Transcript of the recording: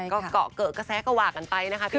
ก็เกรือก็แซ๊กว่ากันไปนะคะพี่หนุ่ม